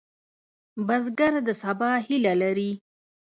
بزګر د سبا هیله لري